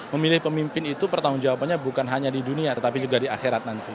memilih pemimpin itu pertanggung jawabannya bukan hanya di dunia tetapi juga di akhirat nanti